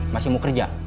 masih mau kerja